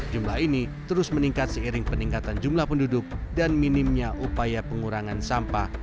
jumlah ini terus meningkat seiring peningkatan jumlah penduduk dan minimnya upaya pengurangan sampah